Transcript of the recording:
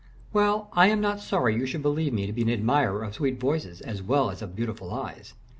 "Well, I am not sorry you should believe me to be an admirer of sweet voices as well as of beautiful eyes.